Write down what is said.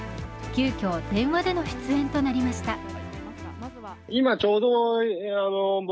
急きょ、電話での出演となりました